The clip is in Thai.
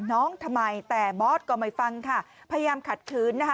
น้องทำร้ายแต่บอสก็ไม่ฟังค่ะพยายามขัดคืนนะฮะ